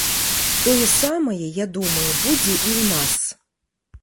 Тое самае, я думаю, будзе і ў нас.